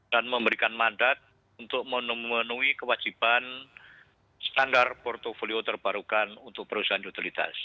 memberikan mandat untuk memenuhi kewajiban standar portfolio terbarukan untuk perusahaan utilitas